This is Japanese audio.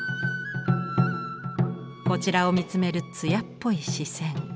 こちらを見つめる艶っぽい視線。